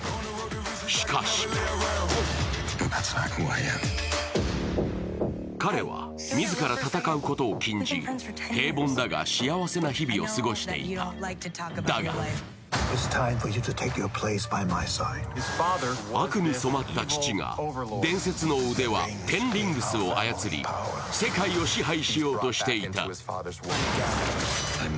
しかし彼は自ら戦うことを禁じ、平凡だが幸せな日々を過ごしていた、だが悪に染まった父が伝説の腕輪、テン・リングスを操り世界を支配しようとしていた。